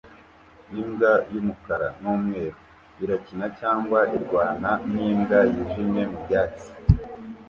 Imbwa y'umukara n'umweru irakina cyangwa irwana n'imbwa yijimye mu byatsi